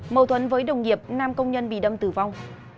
mâu thuẫn với đồng nghiệp nam công nhân bị đâm tử vong